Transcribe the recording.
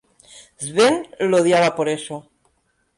Sven lo odiaba por eso.